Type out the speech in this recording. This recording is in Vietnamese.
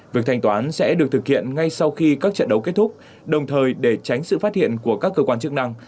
việc thanh toán sẽ được thực hiện ngay sau khi các trận đấu kết thúc đồng thời để tránh sự phát hiện của các cơ quan chức năng